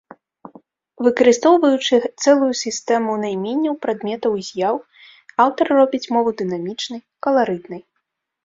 Выкарыстоўваючы цэлую сістэму найменняў прадметаў і з'яў, аўтар робіць мову дынамічнай, каларытнай.